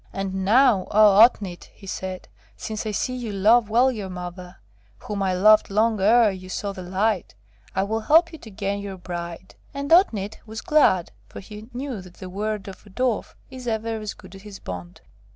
'And now, O Otnit,' he said, 'since I see you love well your mother, whom I loved long ere you saw the light, I will help you to gain your bride.' And Otnit was glad, for he knew that the word of a Dwarf is ever as good as his bond.